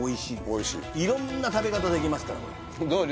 おいしい色んな食べ方できますからこれどう？